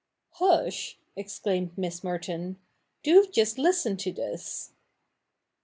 'Hush!' exclaimed Miss Merto^^"^^' lust listen to this.'